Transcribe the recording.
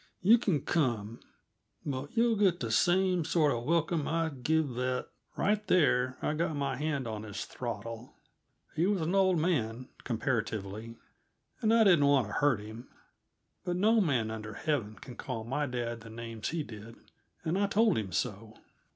You can come, but you'll get the same sort uh welcome I'd give that " Right there I got my hand on his throttle. He was an old man, comparatively, and I didn't want to hurt him; but no man under heaven can call my dad the names he did, and I told him so.